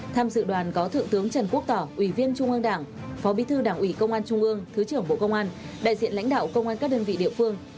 tham dự đoàn có thượng tướng trần quốc tỏ ủy viên trung ương đảng phó bí thư đảng ủy công an trung ương thứ trưởng bộ công an đại diện lãnh đạo công an các đơn vị địa phương